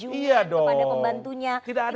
memberikan sanjungan kepada pembantunya